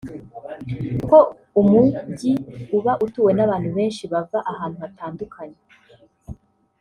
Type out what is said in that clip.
kuko umujyi uba utuwe n’abantu benshi bava ahantu hatandukanye